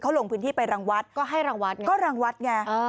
เขาลงพื้นที่ไปรังวัฒน์ก็ให้รังวัฒน์ก็รังวัฒน์ไงเออ